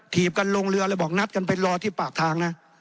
ีบกันลงเรือเลยบอกนัดกันไปรอที่ปากทางนะ